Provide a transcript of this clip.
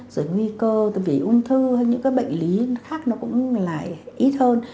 rồi nguy cơ vì ung thư hay những bệnh lý khác cũng lại ít hơn